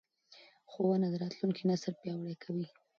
ښوونه راتلونکی نسل پیاوړی کوي